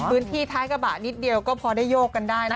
พื้นที่ท้ายกระบะนิดเดียวก็พอได้โยกกันได้นะ